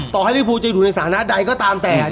ต่อให้ริภูจะอยู่ในสถานะใดก็ตามแต่